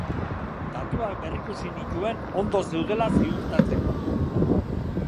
Datuak berrikusi nituen ondo zeudela ziurtatzeko.